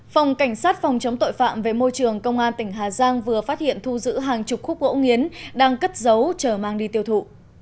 phòng cảnh sát phòng chống tội phạm về môi trường công an tỉnh hà giang vừa phát hiện thu giữ hàng chục khúc gỗ nghiến đang cất giấu chờ mang đi tiêu thụ